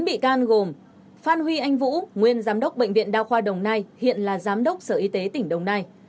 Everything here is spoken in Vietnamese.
bốn bị can gồm phan huy anh vũ nguyên giám đốc bệnh viện đa khoa đồng nai hiện là giám đốc sở y tế tỉnh đồng nai